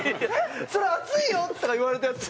「それ熱いよ」とか言われたやつ